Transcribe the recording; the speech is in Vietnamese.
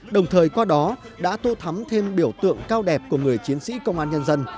đồng thời qua đó đã tô thắm thêm biểu tượng cao đẹp của người chiến sĩ công an nhân dân